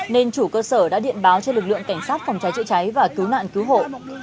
nên chủ cơ sở đã điện báo cho lực lượng cảnh sát phòng cháy chữa cháy và cứu nạn cứu hộ